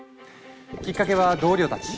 きっかけは同僚たち。